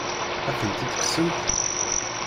Ad tent-id-kksent?